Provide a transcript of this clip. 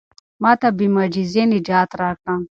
ما ته بې معجزې نجات راکړه.